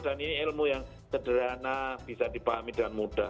dan ini ilmu yang sederhana bisa dipahami dengan mudah